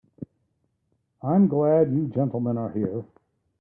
I'm glad you gentlemen are here.